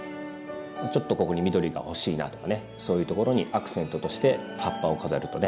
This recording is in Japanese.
ちょっとここに緑が欲しいなとかねそういうところにアクセントとして葉っぱを飾るとね